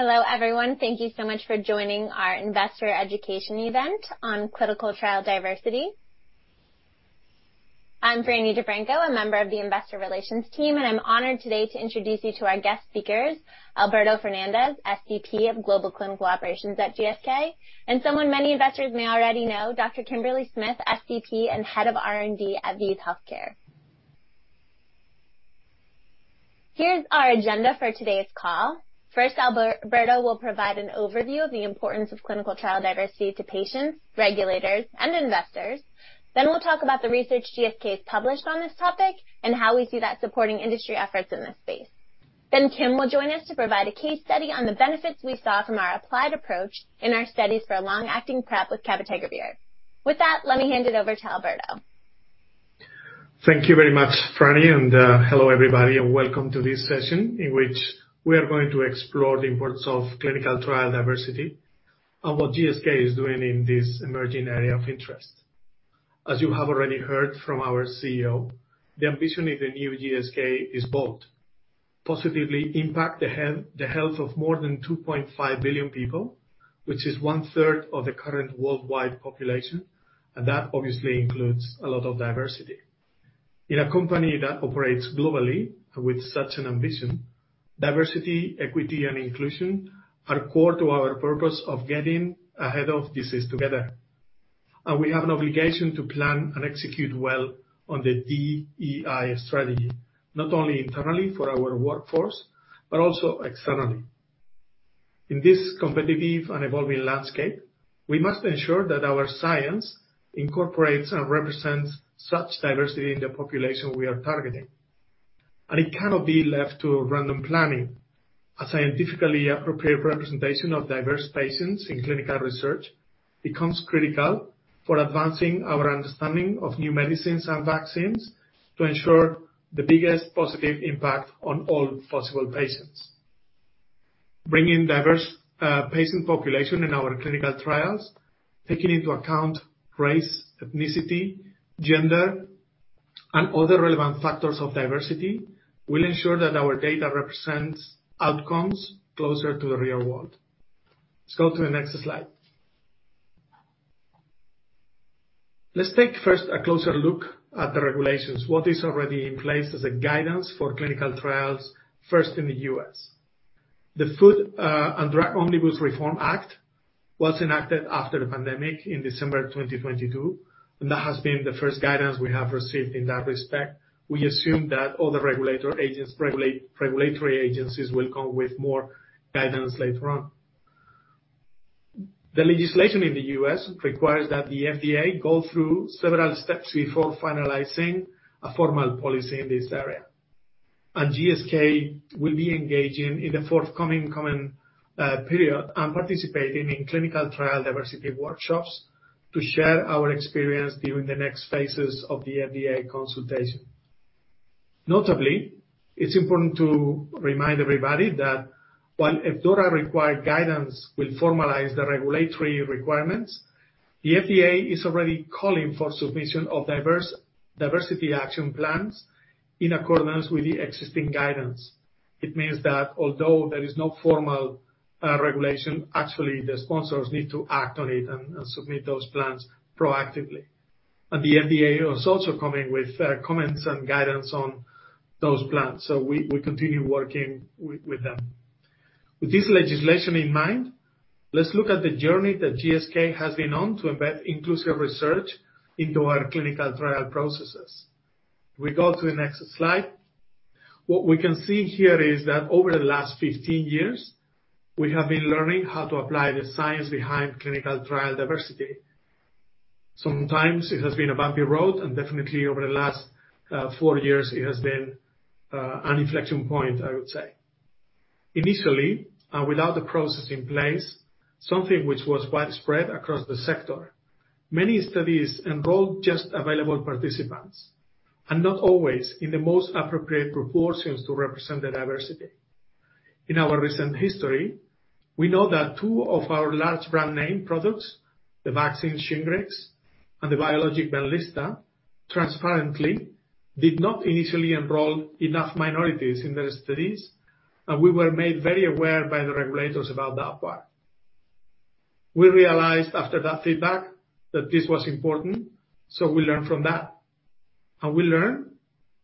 Hello, everyone. Thank you so much for joining our Investor Education Event on Clinical Trial Diversity. I'm Frannie DeFranco, a member of the Investor Relations team. I'm honored today to introduce you to our guest speakers, Alberto Fernández, SVP of Global Clinical Operations at GSK, and someone many investors may already know, Dr. Kimberly Smith, SVP and Head of R&D at ViiV Healthcare. Here's our agenda for today's call. First, Alberto will provide an overview of the importance of clinical trial diversity to patients, regulators, and investors. We'll talk about the research GSK has published on this topic and how we see that supporting industry efforts in this space. Kim will join us to provide a case study on the benefits we saw from our applied approach in our studies for a long-acting PrEP with cabotegravir. With that, let me hand it over to Alberto. Thank you very much, Frannie. Hello, everybody, and welcome to this session, in which we are going to explore the importance of clinical trial diversity and what GSK is doing in this emerging area of interest. As you have already heard from our CEO, the ambition in the new GSK is bold. Positively impact the health of more than 2.5 billion people, which is 1/3 of the current worldwide population. That obviously includes a lot of diversity. In a company that operates globally with such an ambition, diversity, equity, and inclusion are core to our purpose of getting ahead of disease together. We have an obligation to plan and execute well on the DEI strategy, not only internally for our workforce, but also externally. In this competitive and evolving landscape, we must ensure that our science incorporates and represents such diversity in the population we are targeting, and it cannot be left to random planning. A scientifically appropriate representation of diverse patients in clinical research becomes critical for advancing our understanding of new medicines and vaccines to ensure the biggest positive impact on all possible patients. Bringing diverse patient population in our clinical trials, taking into account race, ethnicity, gender, and other relevant factors of diversity, will ensure that our data represents outcomes closer to the real world. Let's go to the next slide. Let's take first a closer look at the regulations, what is already in place as a guidance for clinical trials, first in the U.S. The Food and Drug Omnibus Reform Act was enacted after the pandemic in December of 2022. That has been the first guidance we have received in that respect. We assume that all the regulatory agencies will come with more guidance later on. The legislation in the U.S. requires that the FDA go through several steps before finalizing a formal policy in this area. GSK will be engaging in the forthcoming period and participating in clinical trial diversity workshops to share our experience during the next phases of the FDA consultation. Notably, it's important to remind everybody that while FDORA-required guidance will formalize the regulatory requirements, the FDA is already calling for submission of diversity action plans in accordance with the existing guidance. It means that although there is no formal regulation, actually, the sponsors need to act on it and submit those plans proactively. The FDA is also coming with comments and guidance on those plans, so we continue working with them. With this legislation in mind, let's look at the journey that GSK has been on to embed inclusive research into our clinical trial processes. We go to the next slide. What we can see here is that over the last 15 years, we have been learning how to apply the science behind clinical trial diversity. Sometimes it has been a bumpy road, definitely over the last four years, it has been an inflection point, I would say. Initially, without the process in place, something which was widespread across the sector, many studies enrolled just available participants, and not always in the most appropriate proportions to represent the diversity. In our recent history, we know that two of our large brand name products, the vaccine SHINGRIX and the biologic BENLYSTA, transparently did not initially enroll enough minorities in their studies, and we were made very aware by the regulators about that part. We realized after that feedback that this was important, so we learned from that, and we learned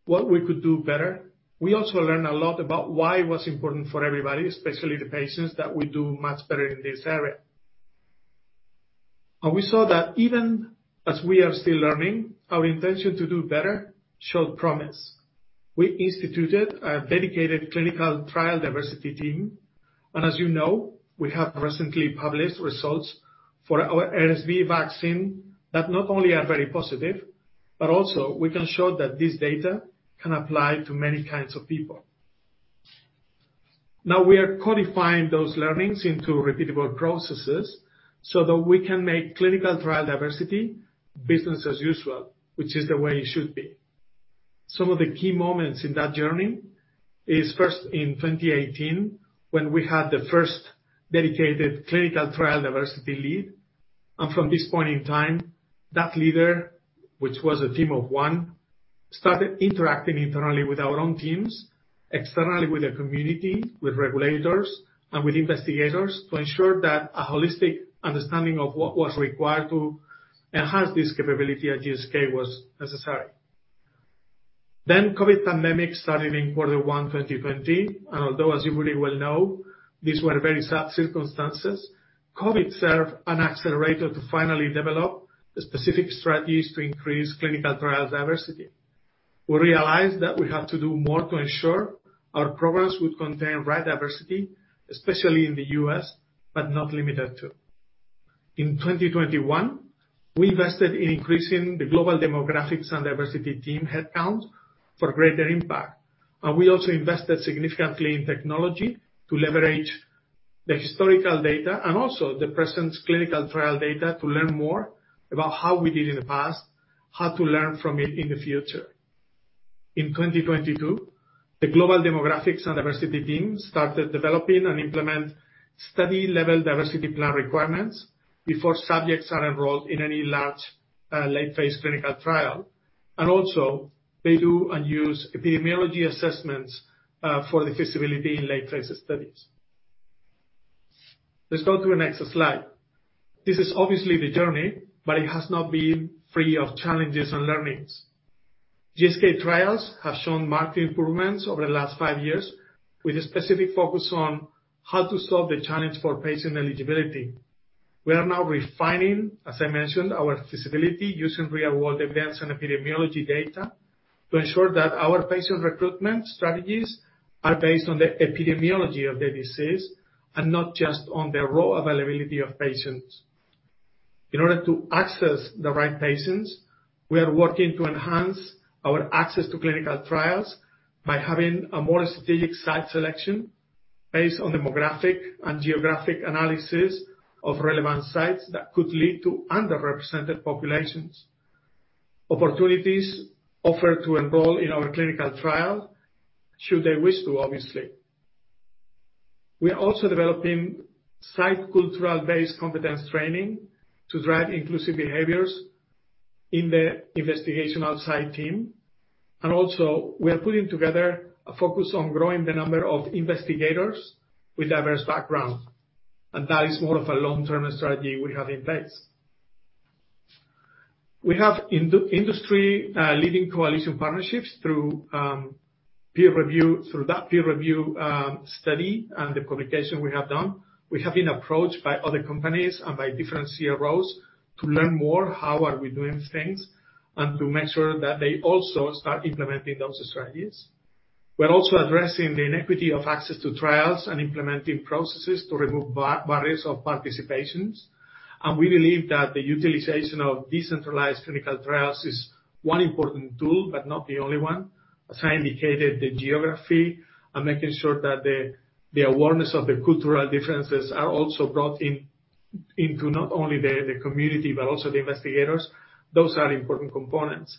what we could do better. We also learned a lot about why it was important for everybody, especially the patients, that we do much better in this area. We saw that even as we are still learning, our intention to do better showed promise. We instituted a dedicated clinical trial diversity team, as you know, we have recently published results for our RSV vaccine that not only are very positive, but also we can show that this data can apply to many kinds of people. Now we are codifying those learnings into repeatable processes so that we can make clinical trial diversity business as usual, which is the way it should be. Some of the key moments in that journey is first in 2018, when we had the first dedicated clinical trial diversity lead. From this point in time, that leader, which was a team of one, started interacting internally with our own teams, externally with the community, with regulators, and with investigators, to ensure that a holistic understanding of what was required to enhance this capability at GSK was necessary. COVID pandemic started in quarter one, 2020, although, as you really well know, these were very sad circumstances, COVID served an accelerator to finally develop the specific strategies to increase clinical trial diversity. We realized that we have to do more to ensure our progress would contain right diversity, especially in the U.S., not limited to. In 2021, we invested in increasing the Global Demographics and Diversity team headcount for greater impact, we also invested significantly in technology to leverage the historical data and also the present clinical trial data, to learn more about how we did in the past, how to learn from it in the future. In 2022, the Global Demographics and Diversity team started developing and implement study-level diversity plan requirements before subjects are enrolled in any large, late-phase clinical trial. They do and use epidemiology assessments for the feasibility in late-phase studies. Let's go to the next slide. This is obviously the journey, but it has not been free of challenges and learnings. GSK trials have shown marked improvements over the last five years, with a specific focus on how to solve the challenge for patient eligibility. We are now refining, as I mentioned, our feasibility using real-world events and epidemiology data to ensure that our patient recruitment strategies are based on the epidemiology of the disease and not just on the raw availability of patients. In order to access the right patients, we are working to enhance our access to clinical trials by having a more strategic site selection based on demographic and geographic analysis of relevant sites that could lead to underrepresented populations. Opportunities offered to enroll in our clinical trial, should they wish to, obviously. We are also developing site cultural-based competence training to drive inclusive behaviors in the investigational site team. Also, we are putting together a focus on growing the number of investigators with diverse backgrounds, and that is more of a long-term strategy we have in place. We have industry leading coalition partnerships through peer review. Through that peer review study and the publication we have done, we have been approached by other companies and by different CROs to learn more, how are we doing things, and to make sure that they also start implementing those strategies. We're also addressing the inequity of access to trials and implementing processes to remove barriers of participations. We believe that the utilization of decentralized clinical trials is one important tool, but not the only one. As I indicated, the geography and making sure that the awareness of the cultural differences are also brought into not only the community, but also the investigators. Those are important components.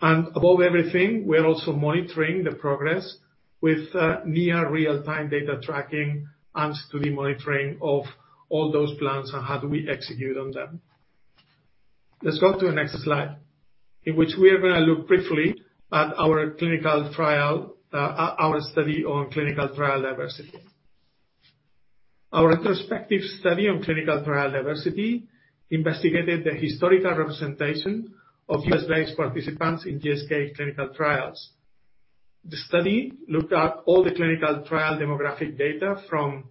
Above everything, we're also monitoring the progress with near real-time data tracking and study monitoring of all those plans, and how do we execute on them? Let's go to the next slide, in which we are gonna look briefly at our clinical trial, our study on clinical trial diversity. Our retrospective study on clinical trial diversity investigated the historical representation of U.S.-based participants in GSK clinical trials. The study looked at all the clinical trial demographic data from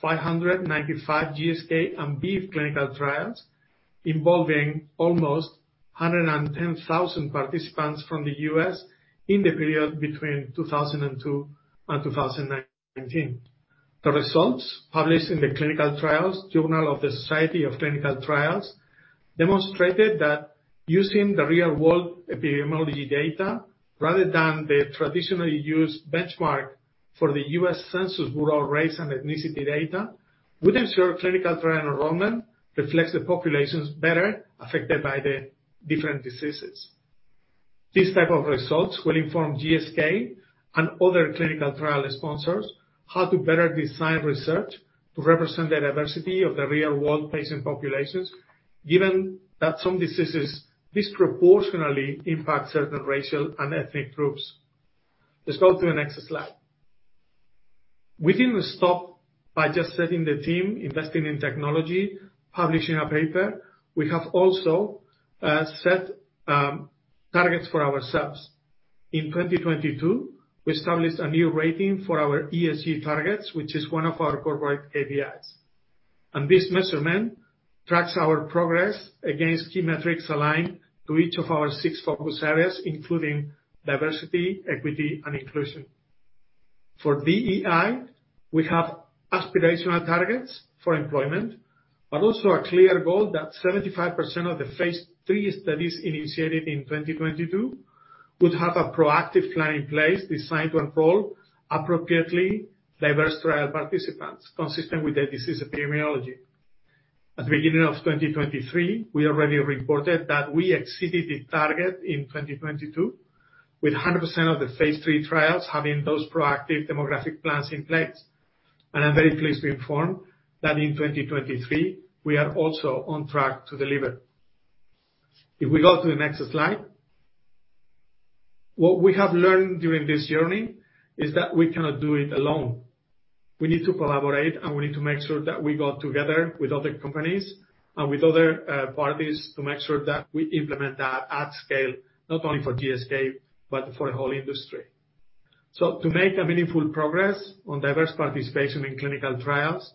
595 GSK and ViiV clinical trials, involving almost 110,000 participants from the U.S. in the period between 2002 and 2019. The results, published in the Clinical Trials journal of the Society for Clinical Trials, demonstrated that using the real-world epidemiology data, rather than the traditionally used benchmark for the U.S. Census Bureau race and ethnicity data, would ensure clinical trial enrollment reflects the populations better affected by the different diseases. These type of results will inform GSK and other clinical trial sponsors how to better design research to represent the diversity of the real-world patient populations, given that some diseases disproportionately impact certain racial and ethnic groups. Let's go to the next slide. We didn't stop by just setting the team, investing in technology, publishing a paper. We have also set targets for ourselves. In 2022, we established a new rating for our ESG targets, which is one of our corporate KPIs, and this measurement tracks our progress against key metrics aligned to each of our six focus areas, including diversity, equity, and inclusion. For DEI, we have aspirational targets for employment, but also a clear goal that 75% of the phase III studies initiated in 2022 would have a proactive plan in place, designed to enroll appropriately diverse trial participants, consistent with the disease epidemiology. At the beginning of 2023, we already reported that we exceeded the target in 2022 with 100% of the phase III trials having those proactive demographic plans in place. I'm very pleased to inform that in 2023, we are also on track to deliver. If we go to the next slide. What we have learned during this journey is that we cannot do it alone. We need to collaborate, and we need to make sure that we go together with other companies and with other parties, to make sure that we implement that at scale, not only for GSK, but for the whole industry. To make a meaningful progress on diverse participation in clinical trials,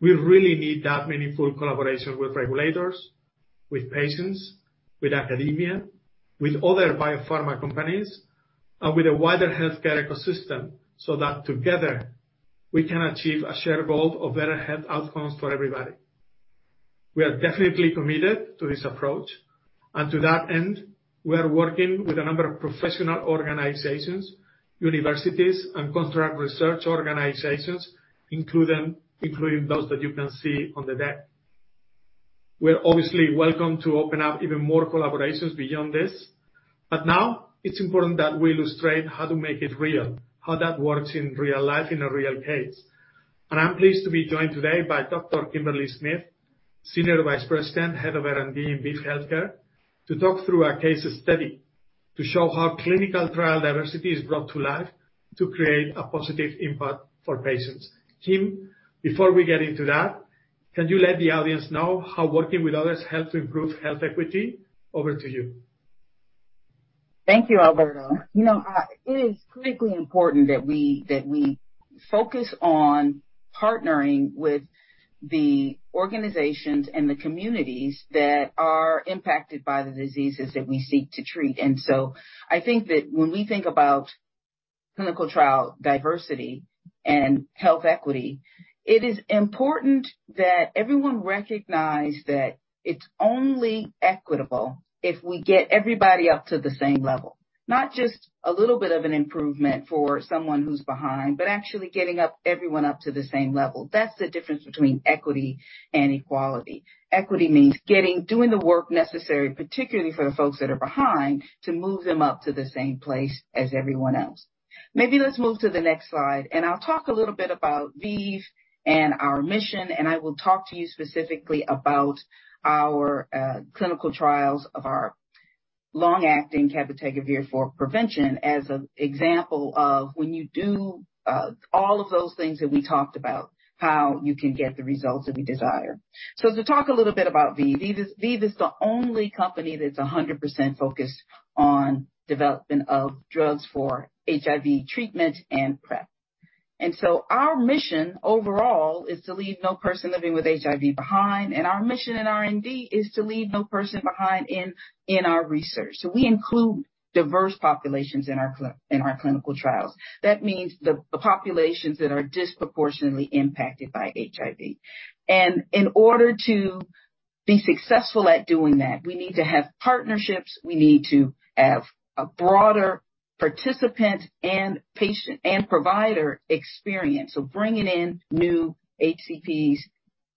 we really need that meaningful collaboration with regulators, with patients, with academia, with other biopharma companies, and with a wider healthcare ecosystem, so that together, we can achieve a shared goal of better health outcomes for everybody. We are definitely committed to this approach, and to that end, we are working with a number of professional organizations, universities, and contract research organizations, including those that you can see on the deck. We're obviously welcome to open up even more collaborations beyond this, but now it's important that we illustrate how to make it real, how that works in real life, in a real case. I'm pleased to be joined today by Dr. Kimberly Smith, Senior Vice President, Head of R&D in ViiV Healthcare, to talk through a case study to show how clinical trial diversity is brought to life to create a positive impact for patients. Kim, before we get into that, can you let the audience know how working with others helps to improve health equity? Over to you. Thank you, Alberto. You know, it is critically important that we focus on partnering with the organizations and the communities that are impacted by the diseases that we seek to treat. I think that when we think about clinical trial diversity and health equity, it is important that everyone recognize that it's only equitable if we get everybody up to the same level, not just a little bit of an improvement for someone who's behind, but actually getting up, everyone up to the same level. That's the difference between equity and equality. Equity means doing the work necessary, particularly for the folks that are behind, to move them up to the same place as everyone else. Maybe let's move to the next slide, and I'll talk a little bit about ViiV and our mission, and I will talk to you specifically about our clinical trials of our long-acting cabotegravir for prevention, as an example of when you do all of those things that we talked about, how you can get the results that we desire. To talk a little bit about ViiV. ViiV is the only company that's 100% focused on development of drugs for HIV treatment and PrEP. Our mission overall is to leave no person living with HIV behind. Our mission in R&D is to leave no person behind in our research. We include diverse populations in our clinical trials. That means the populations that are disproportionately impacted by HIV. In order to be successful at doing that, we need to have partnerships. We need to have a broader participant and patient and provider experience. Bringing in new HCPs,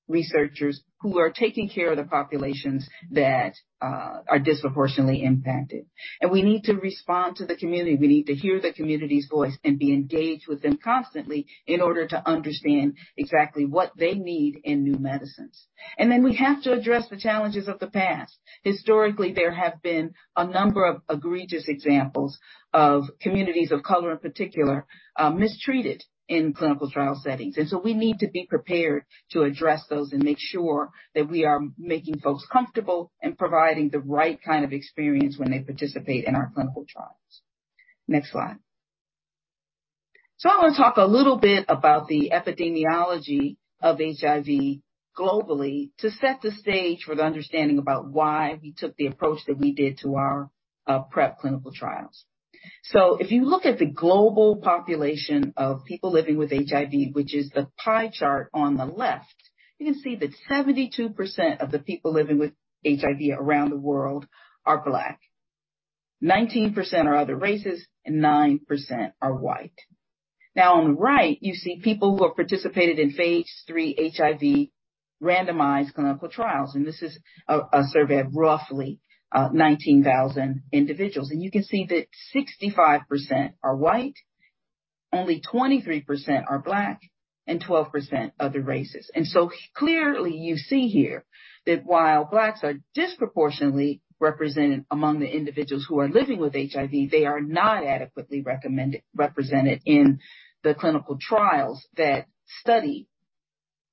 researchers, who are taking care of the populations that are disproportionately impacted. We need to respond to the community. We need to hear the community's voice and be engaged with them constantly in order to understand exactly what they need in new medicines. We have to address the challenges of the past. Historically, there have been a number of egregious examples of communities of color, in particular, mistreated in clinical trial settings. We need to be prepared to address those and make sure that we are making folks comfortable and providing the right kind of experience when they participate in our clinical trials. Next slide. I want to talk a little bit about the epidemiology of HIV globally, to set the stage for the understanding about why we took the approach that we did to our PrEP clinical trials. If you look at the global population of people living with HIV, which is the pie chart on the left, you can see that 72% of the people living with HIV around the world are Black, 19% are other races, and 9% are white. Now, on the right, you see people who have participated in phase III HIV randomized clinical trials, and this is a survey of roughly 19,000 individuals. You can see that 65% are white, only 23% are Black, and 12% other races. Clearly, you see here, that while Blacks are disproportionately represented among the individuals who are living with HIV, they are not adequately represented in the clinical trials that study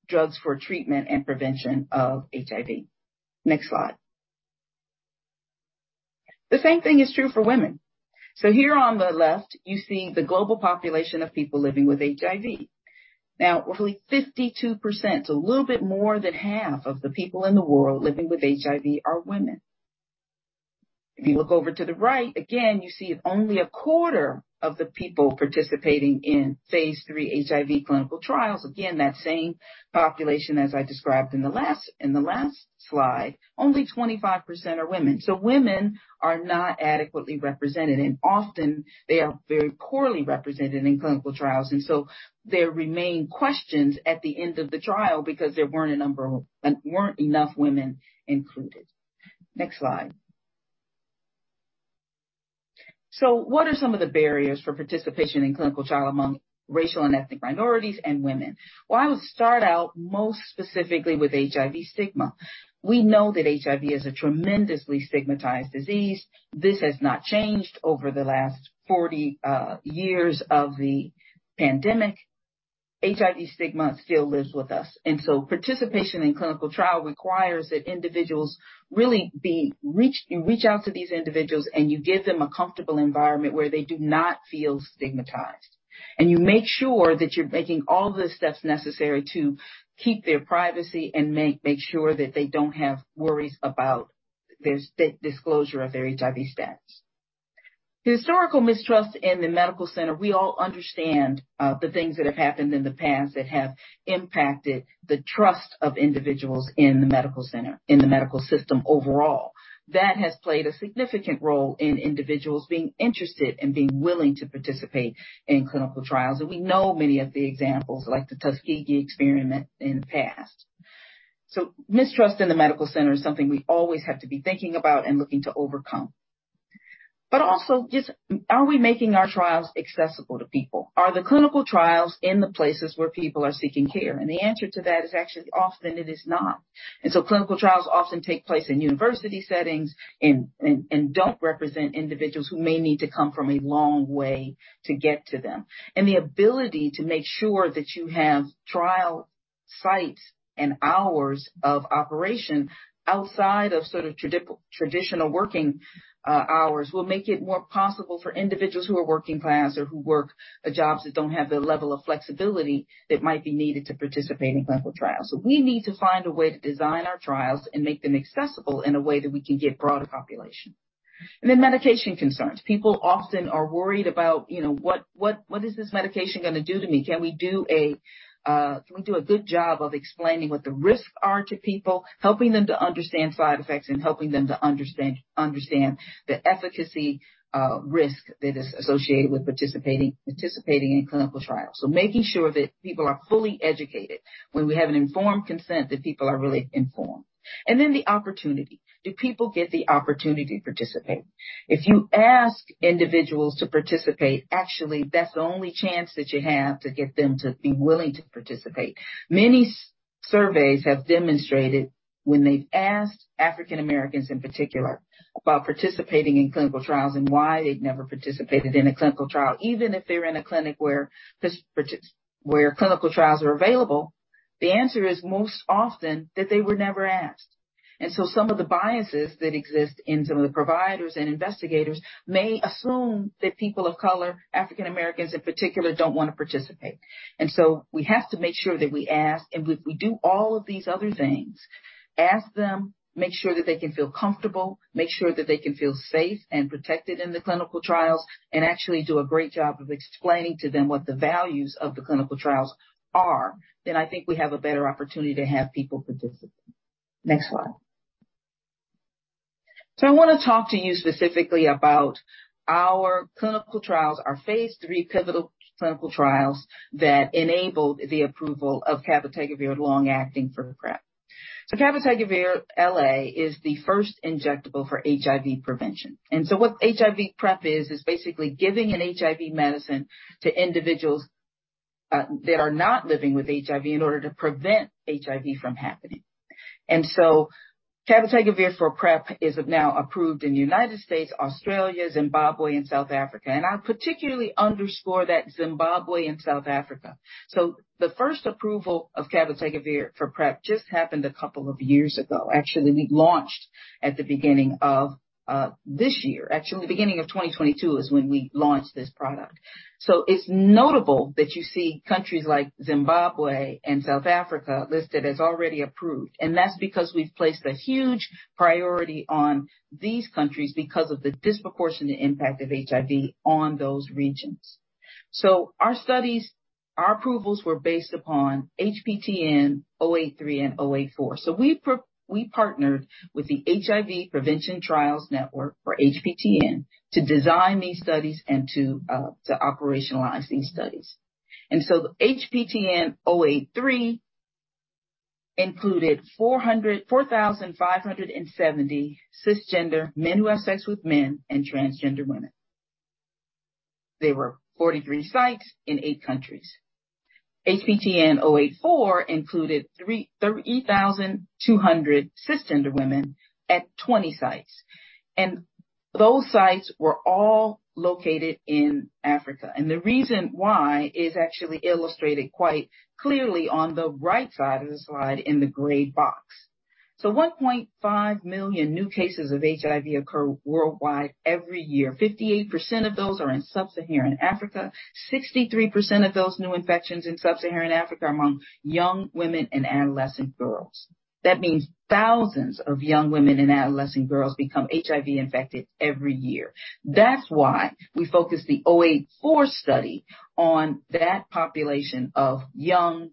drugs for treatment and prevention of HIV. Next slide. The same thing is true for women. Here on the left, you're seeing the global population of people living with HIV. Now, roughly 52%, so a little bit more than half of the people in the world living with HIV are women. If you look over to the right, again, you see that only a quarter of the people participating in phase III HIV clinical trials, again, that same population as I described in the last, in the last slide, only 25% are women. Women are not adequately represented, and often they are very poorly represented in clinical trials. There remain questions at the end of the trial because there weren't enough women included. Next slide. What are some of the barriers for participation in clinical trial among racial and ethnic minorities and women? Well, I would start out most specifically with HIV stigma. We know that HIV is a tremendously stigmatized disease. This has not changed over the last 40 years of the pandemic. HIV stigma still lives with us, participation in clinical trial requires that individuals really be reached. You reach out to these individuals, and you give them a comfortable environment where they do not feel stigmatized. You make sure that you're making all the steps necessary to keep their privacy and make sure that they don't have worries about their disclosure of their HIV status. Historical mistrust in the medical center. We all understand the things that have happened in the past that have impacted the trust of individuals in the medical center, in the medical system overall. That has played a significant role in individuals being interested and being willing to participate in clinical trials. We know many of the examples, like the Tuskegee experiment in the past. Mistrust in the medical center is something we always have to be thinking about and looking to overcome. Also, just, are we making our trials accessible to people? Are the clinical trials in the places where people are seeking care? The answer to that is actually often it is not. Clinical trials often take place in university settings and don't represent individuals who may need to come from a long way to get to them. The ability to make sure that you have trial sites and hours of operation outside of sort of traditional working hours, will make it more possible for individuals who are working class or who work jobs that don't have the level of flexibility that might be needed to participate in clinical trials. We need to find a way to design our trials and make them accessible in a way that we can get broader population. Medication concerns. People often are worried about, you know, what is this medication gonna do to me? Can we do a good job of explaining what the risks are to people, helping them to understand side effects, and helping them to understand the efficacy risk that is associated with participating in clinical trials? Making sure that people are fully educated when we have an informed consent, that people are really informed. Then the opportunity. Do people get the opportunity to participate? If you ask individuals to participate, actually, that's the only chance that you have to get them to be willing to participate. Many surveys have demonstrated when they've asked African Americans, in particular, about participating in clinical trials and why they've never participated in a clinical trial, even if they're in a clinic where clinical trials are available, the answer is most often that they were never asked. Some of the biases that exist in some of the providers and investigators may assume that people of color, African Americans in particular, don't want to participate. We have to make sure that we ask, we do all of these other things. Ask them, make sure that they can feel comfortable, make sure that they can feel safe and protected in the clinical trials, and actually do a great job of explaining to them what the values of the clinical trials are, then I think we have a better opportunity to have people participate. Next slide. I want to talk to you specifically about our clinical trials, our phase III pivotal clinical trials that enabled the approval of cabotegravir long-acting for PrEP. Cabotegravir LA is the first injectable for HIV prevention. What HIV PrEP is basically giving an HIV medicine to individuals that are not living with HIV in order to prevent HIV from happening. And so, cabotegravir for PrEP is now approved in the United States, Australia, Zimbabwe, and South Africa. I particularly underscore that Zimbabwe and South Africa. The first approval of cabotegravir for PrEP just happened a couple of years ago. Actually, we launched at the beginning of this year. Actually, the beginning of 2022 is when we launched this product. It's notable that you see countries like Zimbabwe and South Africa listed as already approved, and that's because we've placed a huge priority on these countries because of the disproportionate impact of HIV on those regions. Our studies, our approvals were based upon HPTN 083 and 084. We partnered with the HIV Prevention Trials Network, or HPTN, to design these studies and to operationalize these studies. The HPTN 083 included 4,570 cisgender men who have sex with men and transgender women. There were 43 sites in eight countries. HPTN 084 included 3,200 cisgender women at 20 sites, and those sites were all located in Africa. The reason why is actually illustrated quite clearly on the right side of the slide, in the gray box. So, 1.5 million new cases of HIV occur worldwide every year. 58% of those are in sub-Saharan Africa. 63% of those new infections in sub-Saharan Africa are among young women and adolescent girls. That means thousands of young women and adolescent girls become HIV infected every year. That's why we focused the 084 study on that population of young,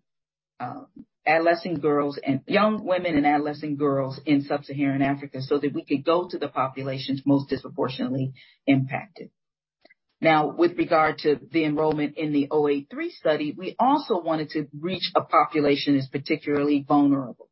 adolescent girls and young women and adolescent girls in sub-Saharan Africa, so that we could go to the populations most disproportionately impacted. Now, with regard to the enrollment in the 083 study, we also wanted to reach a population that's particularly vulnerable.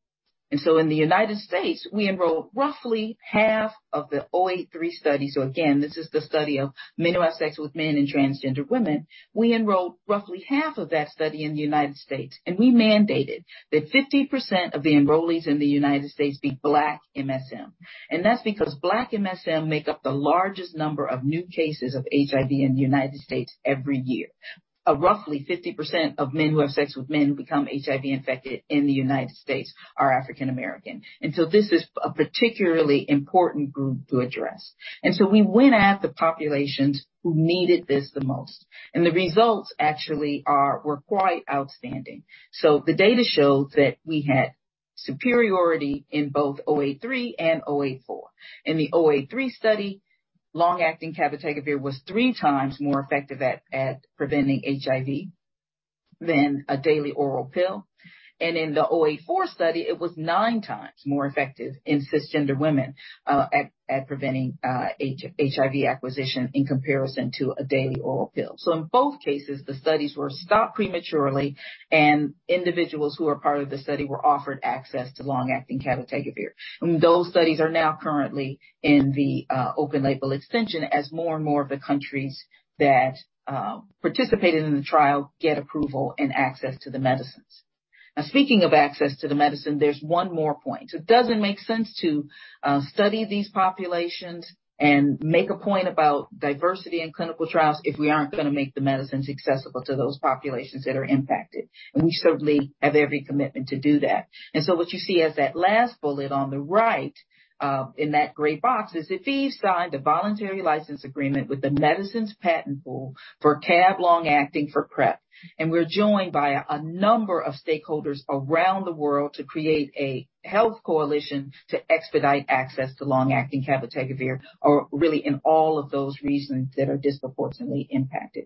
In the United States, we enrolled roughly half of the 083 study. Again, this is the study of men who have sex with men and transgender women. We enrolled roughly half of that study in the United States, and we mandated that 50% of the enrollees in the United States be Black MSM. That's because Black MSM make up the largest number of new cases of HIV in the U.S. every year. Roughly 50% of men who have sex with men who become HIV infected in the U.S. are African American. This is a particularly important group to address. We went at the populations who needed this the most, and the results actually were quite outstanding. The data showed that we had superiority in both 083 and 084. In the 083 study, cabotegravir long-acting was three times more effective at preventing HIV than a daily oral pill. In the 084 study, it was nine times more effective in cisgender women at preventing HIV acquisition in comparison to a daily oral pill. In both cases, the studies were stopped prematurely, and individuals who were part of the study were offered access to long-acting cabotegravir. Those studies are now currently in the open-label extension as more and more of the countries that participated in the trial get approval and access to the medicines. Speaking of access to the medicine, there's one more point. It doesn't make sense to study these populations and make a point about diversity in clinical trials if we aren't going to make the medicines accessible to those populations that are impacted. We certainly have every commitment to do that. What you see as that last bullet on the right, in that gray box, is that ViiV signed a voluntary licensing agreement with the Medicines Patent Pool for cab long-acting for PrEP. We're joined by a number of stakeholders around the world to create a health coalition to expedite access to long-acting cabotegravir, or really, in all of those regions that are disproportionately impacted.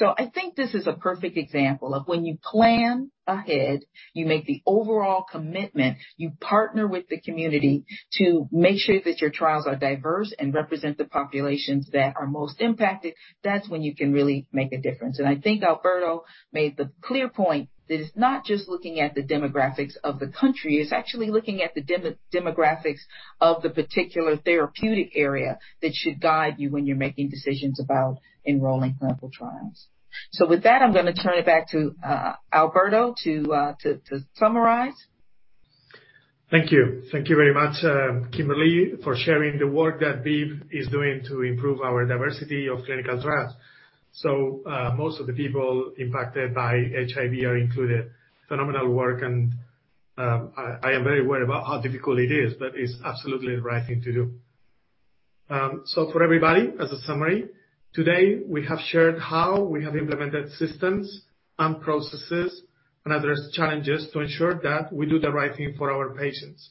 I think this is a perfect example of when you plan ahead, you make the overall commitment, you partner with the community to make sure that your trials are diverse and represent the populations that are most impacted, that's when you can really make a difference. I think Alberto made the clear point that it's not just looking at the demographics of the country, it's actually looking at the demographics of the particular therapeutic area that should guide you when you're making decisions about enrolling clinical trials. With that, I'm going to turn it back to Alberto to summarize. Thank you. Thank you very much, Kimberly, for sharing the work that ViiV is doing to improve our diversity of clinical trials. Most of the people impacted by HIV are included. Phenomenal work, and I am very aware about how difficult it is, but it's absolutely the right thing to do. For everybody, as a summary, today, we have shared how we have implemented systems and processes and addressed challenges to ensure that we do the right thing for our patients.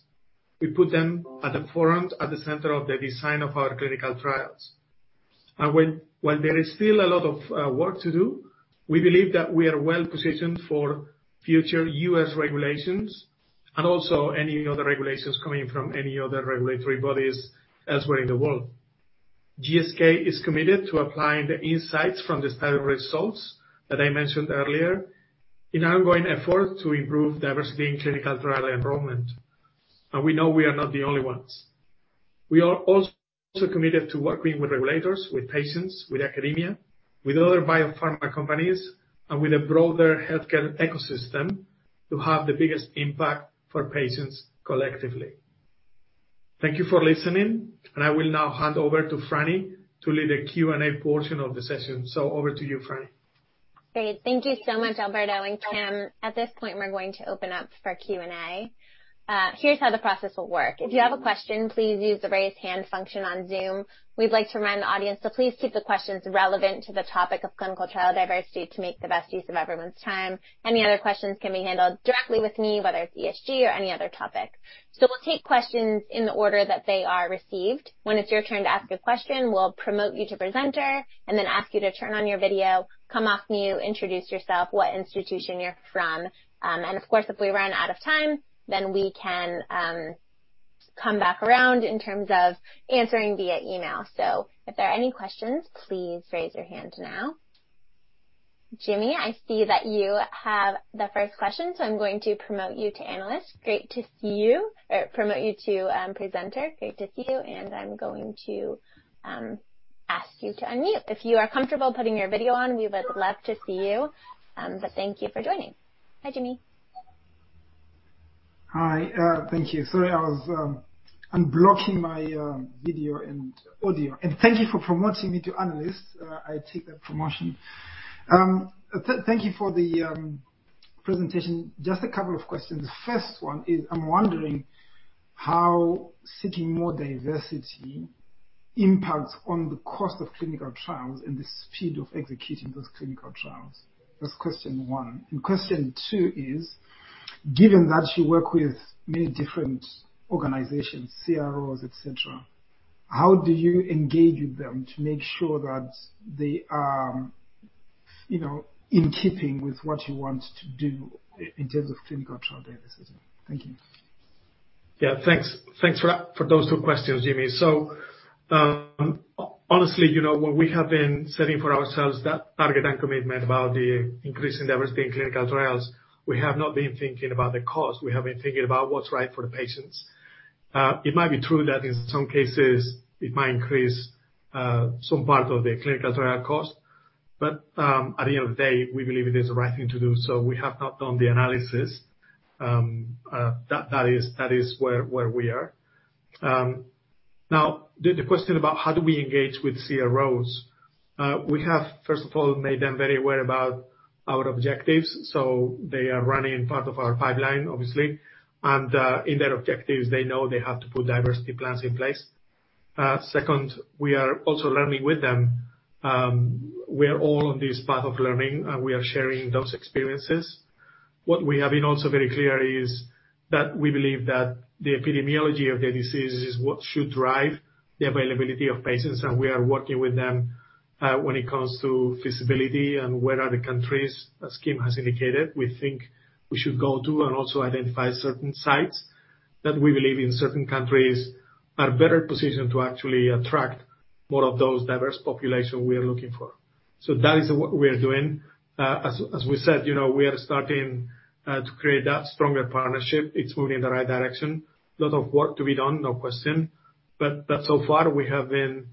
We put them at the forefront, at the center of the design of our clinical trials. While there is still a lot of work to do, we believe that we are well positioned for future U.S. regulations and also any other regulations coming from any other regulatory bodies elsewhere in the world. GSK is committed to applying the insights from the study results that I mentioned earlier in an ongoing effort to improve diversity in clinical trial enrollment. We know we are not the only ones. We are also committed to working with regulators, with patients, with academia, with other biopharma companies, and with a broader healthcare ecosystem to have the biggest impact for patients collectively. Thank you for listening, and I will now hand over to Frannie to lead the Q&A portion of the session. Over to you, Frannie. Great, thank you so much, Alberto and Kim. At this point, we're going to open up for Q&A. Here's how the process will work. If you have a question, please use the Raise Hand function on Zoom. We'd like to remind the audience to please keep the questions relevant to the topic of clinical trial diversity to make the best use of everyone's time. Any other questions can be handled directly with me, whether it's ESG or any other topic. We'll take questions in the order that they are received. When it's your turn to ask a question, we'll promote you to presenter and then ask you to turn on your video. Come off mute, introduce yourself, what institution you're from, and of course, if we run out of time, then we can, come back around in terms of answering via email. If there are any questions, please raise your hand now. [Jimmy], I see that you have the first question, so I'm going to promote you to analyst. Great to see you or promote you to presenter. Great to see you. I'm going to ask you to unmute. If you are comfortable putting your video on, we would love to see you. Thank you for joining. Hi, [Jimmy]. Hi. Thank you. Sorry, I was unblocking my video and audio. Thank you for promoting me to analyst. I take that promotion. Thank you for the presentation. Just a couple of questions. The first one is, I'm wondering how seeking more diversity impacts on the cost of clinical trials and the speed of executing those clinical trials? That's question one. Question two is, given that you work with many different organizations, CROs, et cetera, how do you engage with them to make sure that they are, you know, in keeping with what you want to do in terms of clinical trial diversity? Thank you. Yeah, thanks. Thanks for those two questions, [Jimmy]. Honestly, you know, when we have been setting for ourselves that target and commitment about the increasing diversity in clinical trials, we have not been thinking about the cost. We have been thinking about what's right for the patients. It might be true that in some cases it might increase some part of the clinical trial cost, but at the end of the day, we believe it is the right thing to do, so we have not done the analysis. That is where we are. Now, the question about how do we engage with CROs? We have, first of all, made them very aware about our objectives. They are running in part of our pipeline, obviously, and in their objectives, they know they have to put diversity plans in place. Second, we are also learning with them. We are all on this path of learning, and we are sharing those experiences. What we have been also very clear is that we believe that the epidemiology of the disease is what should drive the availability of patients, and we are working with them, when it comes to feasibility and where are the countries, as Kim has indicated, we think we should go to, and also identify certain sites that we believe in certain countries are better positioned to actually attract more of those diverse population we are looking for. That is what we are doing. As we said, you know, we are starting to create that stronger partnership. It's moving in the right direction. A lot of work to be done, no question, so far we have been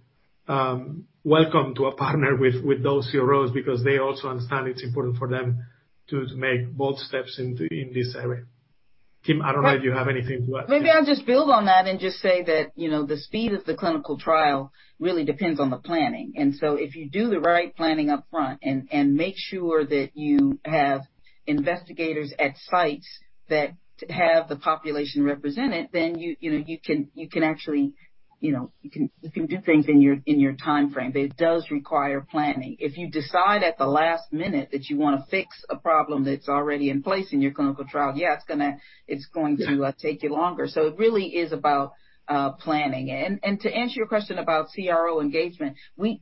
welcome to partner with those CROs because they also understand it's important for them to make bold steps in this area. Kim, I don't know if you have anything to add. Maybe I'll just build on that and just say that, you know, the speed of the clinical trial really depends on the planning. If you do the right planning up front and make sure that you have investigators at sites that have the population represented, then you know, you can actually, you know, you can do things in your timeframe. It does require planning. If you decide at the last minute that you want to fix a problem that's already in place in your clinical trial, yeah, it's going to. Yeah. Take you longer. It really is about planning. To answer your question about CRO engagement,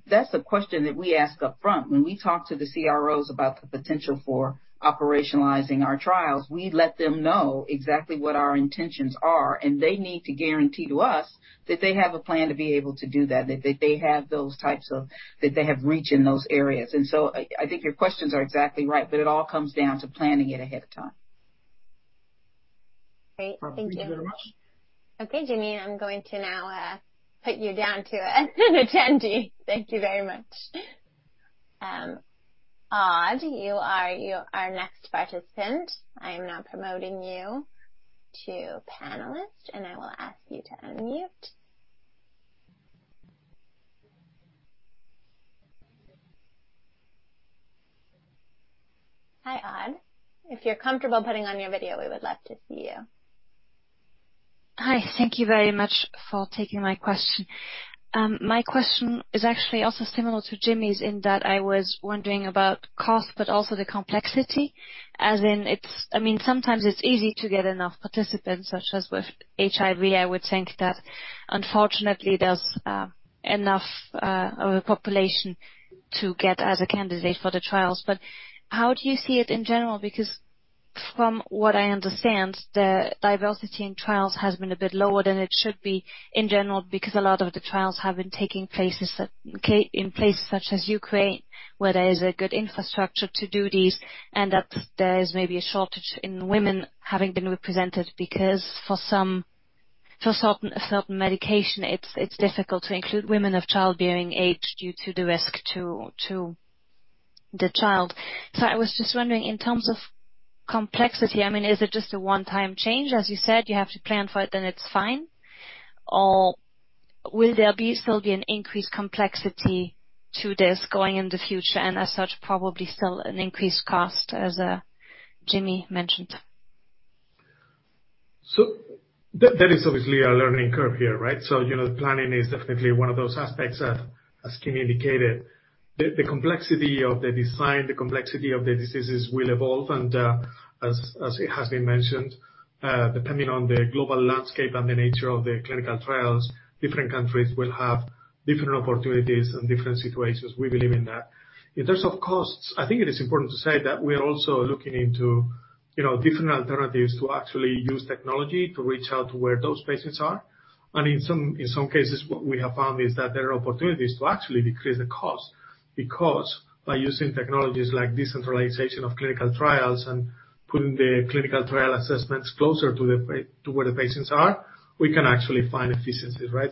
that's a question that we ask up front. When we talk to the CROs about the potential for operationalizing our trials, we let them know exactly what our intentions are, and they need to guarantee to us that they have a plan to be able to do that they have those types of. They have reach in those areas. I think your questions are exactly right, but it all comes down to planning it ahead of time. Great. Thank you. Thank you very much. Okay, [Jimmy], I'm going to now put you down to an attendee. Thank you very much. [Aud], you are our next participant. I am now promoting you to panelist, and I will ask you to unmute. Hi, [Aud]. If you're comfortable putting on your video, we would love to see you. Hi, thank you very much for taking my question. My question is actually also similar to [Jimmy]'s, in that I was wondering about cost, but also the complexity, as in I mean, sometimes it's easy to get enough participants, such as with HIV. I would think that unfortunately, there's enough of a population to get as a candidate for the trials. How do you see it in general? From what I understand, the diversity in trials has been a bit lower than it should be in general, because a lot of the trials have been taking places that, okay, in places such as Ukraine, where there is a good infrastructure to do these, and that there is maybe a shortage in women having been represented, because for certain medication, it's difficult to include women of childbearing age due to the risk to the child. I was just wondering, in terms of complexity, I mean, is it just a one-time change? As you said, you have to plan for it, then it's fine. Or will there still be an increased complexity to this going in the future, and as such, probably still an increased cost, as [Jimmy] mentioned? There, there is obviously a learning curve here, right? You know, planning is definitely one of those aspects, as Kim indicated. The complexity of the design, the complexity of the diseases will evolve, and, as it has been mentioned, depending on the global landscape and the nature of the clinical trials, different countries will have different opportunities and different situations. We believe in that. In terms of costs, I think it is important to say that we are also looking into, you know, different alternatives to actually use technology to reach out to where those patients are. In some cases, what we have found is that there are opportunities to actually decrease the cost, because by using technologies like decentralization of clinical trials and putting the clinical trial assessments closer to where the patients are, we can actually find efficiencies, right?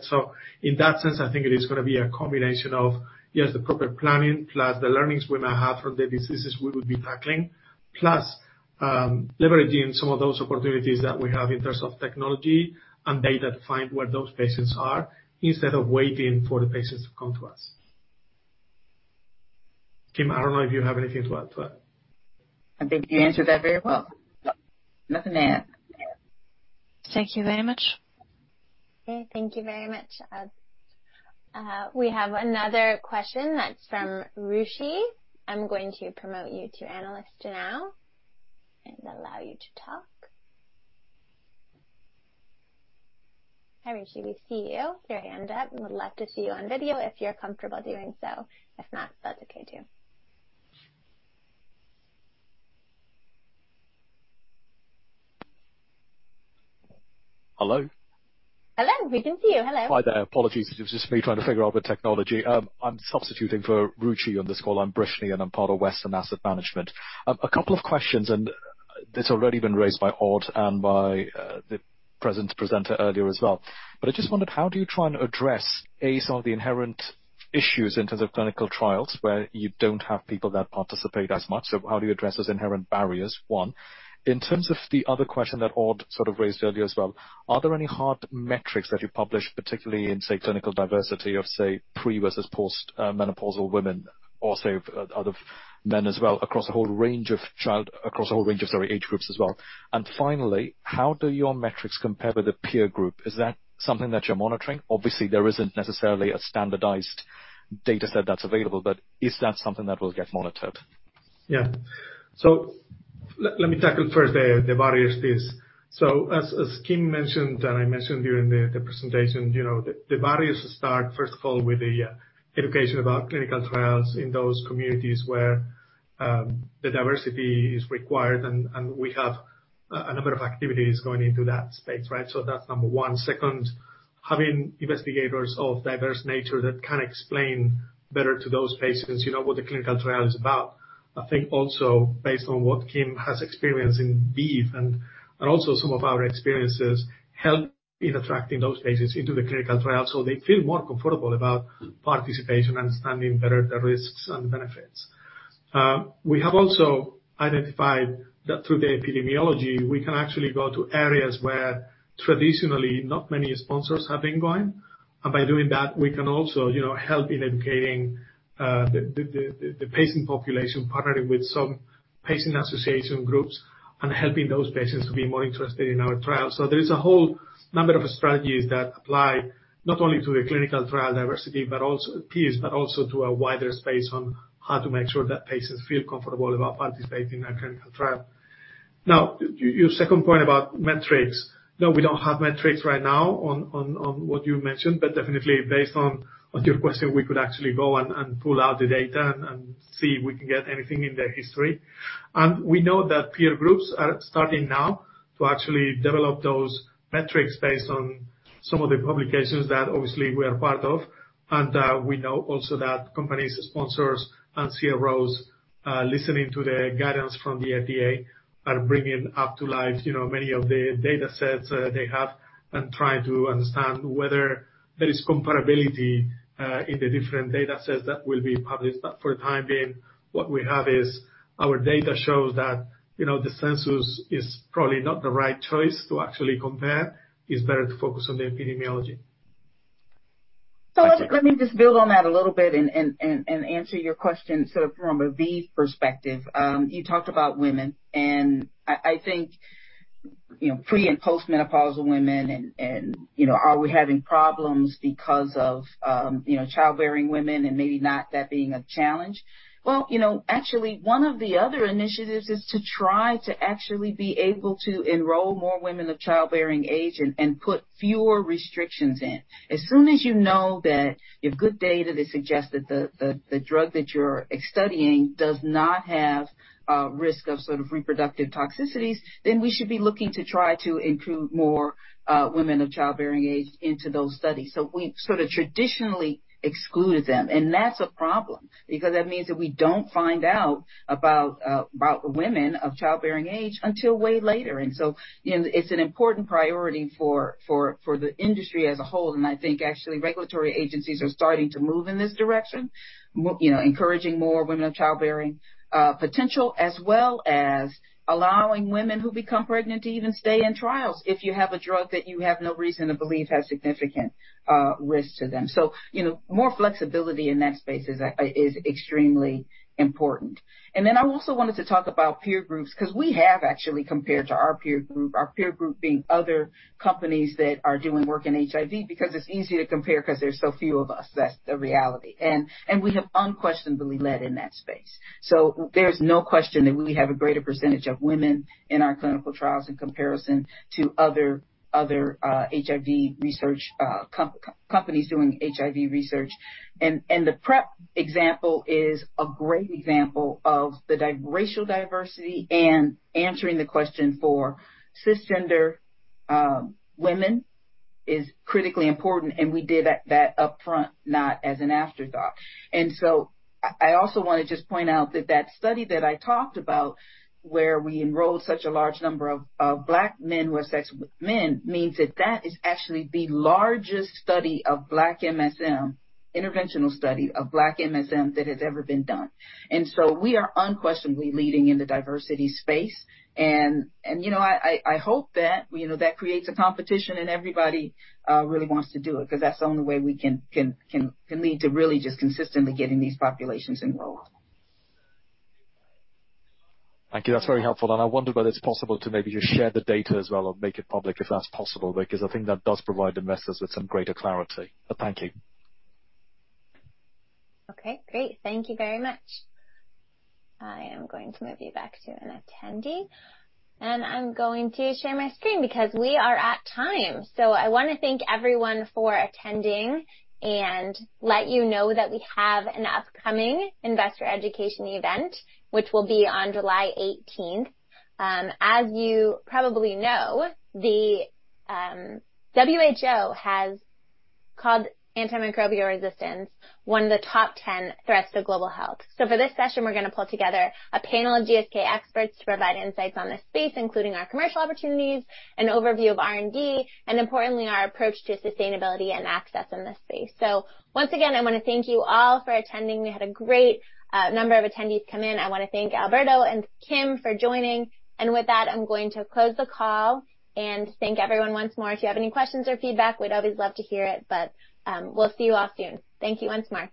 In that sense, I think it is gonna be a combination of, yes, the proper planning, plus the learnings we may have from the diseases we will be tackling, plus, leveraging some of those opportunities that we have in terms of technology and data to find where those patients are, instead of waiting for the patients to come to us. Kim, I don't know if you have anything to add to that. I think you answered that very well. Nothing to add. Thank you very much. Okay. Thank you very much, [Aud]. We have another question that's from Ruchi. I'm going to promote you to analyst now and allow you to talk. Hi, Ruchi, we see you, your hand up. Would love to see you on video if you're comfortable doing so. If not, that's okay, too. Hello? Hello, we can see you. Hello. Hi there. Apologies. It was just me trying to figure out the technology. I'm substituting for Ruchi on this call. I'm [Brish], and I'm part of Western Asset Management. A couple of questions, and it's already been raised by [Aud] and by the presenter earlier as well. I just wondered, how do you try and address, A, some of the inherent issues in terms of clinical trials where you don't have people that participate as much? How do you address those inherent barriers, one? In terms of the other question that [Aud] sort of raised earlier as well, are there any hard metrics that you publish, particularly in, say, clinical diversity of, say, pre-versus post-menopause women or say, other men as well, across a whole range of, sorry, age groups as well? Finally, how do your metrics compare with the peer group? Is that something that you're monitoring? Obviously, there isn't necessarily a standardized data set that's available. Is that something that will get monitored? Yeah. Let me tackle first the barriers to this. As, as Kim mentioned, and I mentioned during the presentation, you know, the barriers start, first of all, with the education about clinical trials in those communities where the diversity is required, and we have a number of activities going into that space, right? That's number one. Second, having investigators of diverse nature that can explain better to those patients, you know, what the clinical trial is about. I think also, based on what Kim has experienced in ViiV, and also some of our experiences, help in attracting those patients into the clinical trial, so they feel more comfortable about participation, understanding better the risks and benefits. We have also identified that through the epidemiology, we can actually go to areas where traditionally not many sponsors have been going. By doing that, we can also, you know, help in educating the patient population, partnering with some patient association groups and helping those patients to be more interested in our trial. There is a whole number of strategies that apply not only to the clinical trial diversity, but also to peers, but also to a wider space on how to make sure that patients feel comfortable about participating in a clinical trial. Now, your second point about metrics. No, we don't have metrics right now on what you mentioned, but definitely based on your question, we could actually go and pull out the data and see if we can get anything in the history. We know that peer groups are starting now to actually develop those metrics based on some of the publications that obviously we are part of. We know also that companies, sponsors, and CROs, listening to the guidance from the FDA, are bringing up to life, you know, many of the datasets they have and trying to understand whether there is comparability in the different datasets that will be published. For the time being, what we have is our data shows that, you know, the census is probably not the right choice to actually compare. It's better to focus on the epidemiology. Let me just build on that a little bit and answer your question sort of from a ViiV perspective. You talked about women, and I think, you know, pre and post-menopausal women and, you know, are we having problems because of, you know, childbearing women and maybe not that being a challenge? Well, you know, actually, one of the other initiatives is to try to actually be able to enroll more women of childbearing age and put fewer restrictions in. As soon as you know that you have good data that suggests that the drug that you're studying does not have risk of sort of reproductive toxicities, then we should be looking to try to include more women of childbearing age into those studies. We've sort of traditionally excluded them, and that's a problem, because that means that we don't find out about women of childbearing age until way later. It's an important priority for the industry as a whole. I think actually, regulatory agencies are starting to move in this direction, you know, encouraging more women of childbearing potential, as well as allowing women who become pregnant to even stay in trials if you have a drug that you have no reason to believe has significant risk to them. You know, more flexibility in that space is extremely important. I also wanted to talk about peer groups, because we have actually compared to our peer group, our peer group being other companies that are doing work in HIV, because it's easier to compare because there's so few of us. That's the reality. We have unquestionably led in that space. There's no question that we have a greater percentage of women in our clinical trials in comparison to other HIV research companies doing HIV research. The PrEP example is a great example of the racial diversity and answering the question for cisgender women is critically important, and we did that upfront, not as an afterthought. I also want to just point out that that study that I talked about, where we enrolled such a large number of Black men who have sex with men, means that that is actually the largest study of Black MSM, interventional study of Black MSM, that has ever been done. We are unquestionably leading in the diversity space. You know, I hope that, you know, that creates a competition and everybody really wants to do it, because that's the only way we can lead to really just consistently getting these populations enrolled. Thank you. That's very helpful. I wonder whether it's possible to maybe just share the data as well, or make it public, if that's possible, because I think that does provide investors with some greater clarity. Thank you. Okay, great. Thank you very much. I am going to move you back to an attendee, I'm going to share my screen because we are at time. I want to thank everyone for attending and let you know that we have an upcoming Investor Education Event, which will be on July 18th. As you probably know, the WHO has called antimicrobial resistance one of the top 10 threats to global health. For this session, we're going to pull together a panel of GSK experts to provide insights on this space, including our commercial opportunities and overview of R&D, importantly, our approach to sustainability and access in this space. Once again, I want to thank you all for attending. We had a great number of attendees come in. I want to thank Alberto and Kim for joining. With that, I'm going to close the call and thank everyone once more. If you have any questions or feedback, we'd always love to hear it, but we'll see you all soon. Thank you once more. Bye.